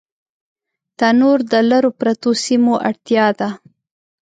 تنور د لرو پرتو سیمو اړتیا ده